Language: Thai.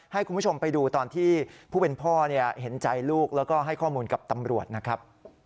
ให้คุณผู้ชมไปดูตอนที่ผู้เป็นพ่อเห็นใจลูกแล้วก็ให้ข้อมูลกับตำรวจนะครับ